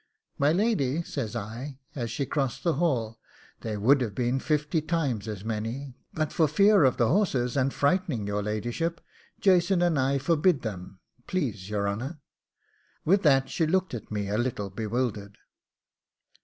'My lady,' says I, as she crossed the hall, 'there would have been fifty times as many; but for fear of the horses, and frightening your ladyship, Jason and I forbid them, please your honour.' With that she looked at me a little bewildered.